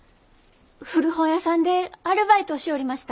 古本屋さんでアルバイトをしょうりました。